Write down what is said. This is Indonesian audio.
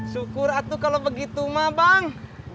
syukur aku kalau begitu mah bang